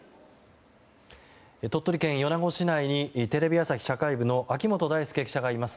鳥取県米子市内にテレビ朝日社会部の秋本大輔記者がいます。